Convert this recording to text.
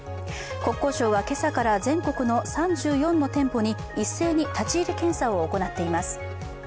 国交省は今朝から全国の３４の店舗に一斉に立ち入り検査を行っています。